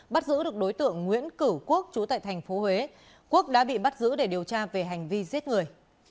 bắt giữ được đối tượng nguyễn cửu quốc chú tại thành phố huế quốc đã bị bắt giữ để điều tra về hành vi giết người